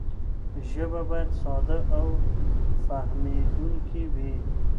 ژبه باید ساده او فهمېدونکې وي.